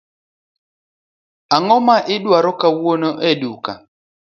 Ango ma idwaro kawuono e duka?